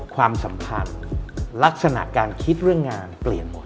ความสัมพันธ์ลักษณะการคิดเรื่องงานเปลี่ยนหมด